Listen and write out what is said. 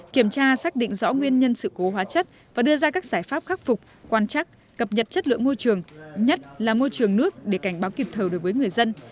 kiểm tra xác định rõ nguyên nhân sự cố hóa chất và đưa ra các giải pháp khắc phục quan chắc cập nhật chất lượng môi trường nhất là môi trường nước để cảnh báo kịp thời đối với người dân